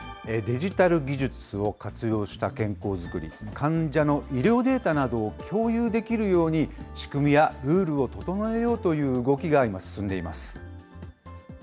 デジタル技術を活用した健康作り、患者の医療データなどを共有できるように、仕組みやルールを整えようという動きが今、進んでいます。